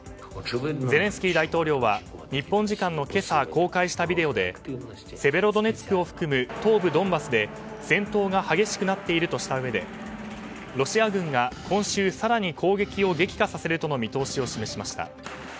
ゼレンスキー大統領は日本時間の今朝公開したビデオでセベロドネツクを含む東部ドンバスで戦闘が激しくなっているとしたうえでロシア軍が今週更に攻撃を激化させるとの見通しを示しました。